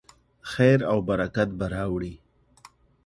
خیر او برکت به راوړي.